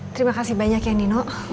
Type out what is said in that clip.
terima kasih banyak ya nino